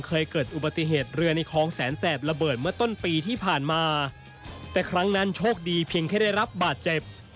เคยเกิดอุบัติเหตุเรือในคลองแสนแสบระเบิดเมื่อต้นปีที่ผ่านมาแต่ครั้งนั้นโชคดีเพียงแค่ได้รับบาดเจ็บ